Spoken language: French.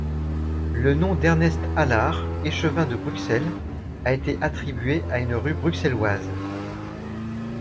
Le nom d'Ernest Allard, échevin de Bruxelles, a été attribué à une rue bruxelloise.